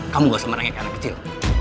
kamu gak usah menanggapi anak kecil